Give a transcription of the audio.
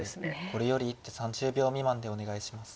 これより一手３０秒未満でお願いします。